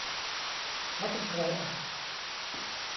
เค้าเป็นใครอ่ะ